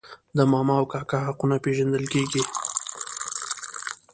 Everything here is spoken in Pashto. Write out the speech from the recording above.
د ماما او کاکا حقونه پیژندل کیږي.